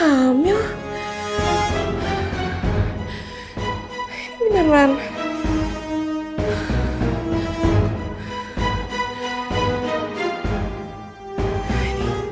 ilmah apa berentur vean